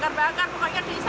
apa awalnya tuh